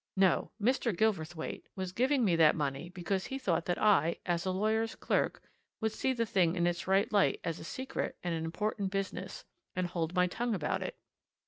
No! Mr. Gilverthwaite was giving me that money because he thought that I, as a lawyer's clerk, would see the thing in its right light as a secret and an important business, and hold my tongue about it.